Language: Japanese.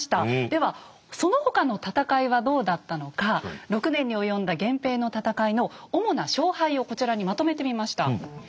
ではその他の戦いはどうだったのか６年に及んだ源平の戦いの主な勝敗をこちらにまとめてみました。